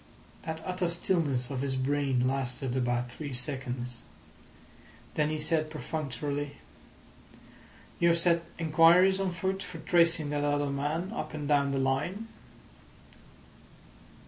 That utter stillness of his brain lasted about three seconds. Then he said perfunctorily: "You have set inquiries on foot for tracing that other man up and down the line?"